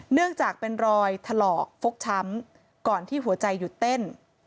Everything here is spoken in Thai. เนื่องจากเป็นรอยถลอกฟกช้ำก่อนที่หัวใจหยุดเต้น